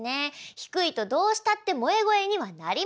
低いとどうしたって萌え声にはなりません。